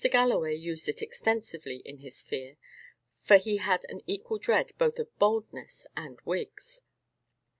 Galloway used it extensively in his fear, for he had an equal dread both of baldness and wigs.